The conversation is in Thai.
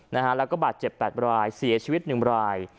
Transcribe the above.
แล้วก็บาดเจ็บแปดรายเสียชีวิตหนึ่งราย